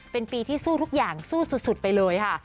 เป็นปีที่สู้ทุกอย่างสู้สุดไปเลยค่ะ